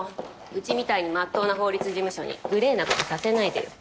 うちみたいに真っ当な法律事務所にグレーな事させないでよ。